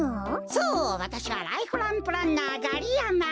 そうわたしはライフランプランナーガリヤマ。